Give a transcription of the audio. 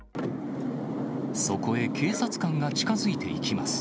そこへ警察官が近づいていきます。